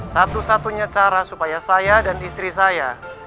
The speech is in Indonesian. satu satunya cara supaya saya dan istri saya